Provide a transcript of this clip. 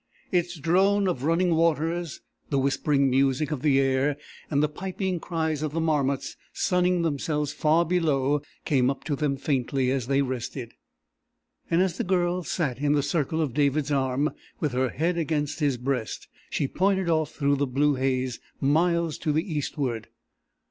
Its drone of running waters, the whispering music of the air, and the piping cries of the marmots sunning themselves far below, came up to them faintly as they rested, and as the Girl sat in the circle of David's arm, with her head against his breast, she pointed off through the blue haze miles to the eastward.